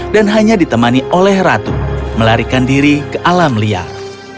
dan hanya ditemani oleh ratu melarikan diri ke alam liar